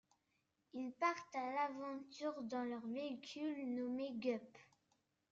Ils partent à l'aventure dans leurs véhicules nommés Gup.